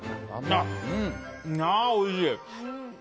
ああ、おいしい！